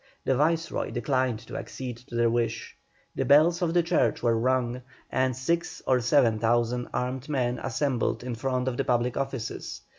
The Viceroy declined to accede to their wish. The bells of the churches were rung, and six or seven thousand armed men assembled in front of the public offices.